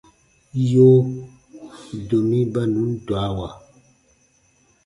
Yoo, domi ba nùn dwawa.